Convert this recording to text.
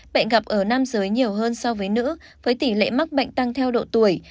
bệnh gặp ở nam giới nhiều hơn so với nữ với tỷ lệ mắc bệnh tăng theo độ tuổi